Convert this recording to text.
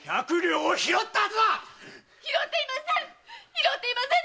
拾っていません